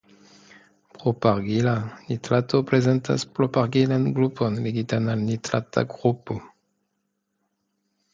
Propargila nitrato prezentas propargilan grupon ligitan al nitrata grupo.